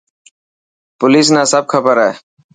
پوليس نا سب کبر هي.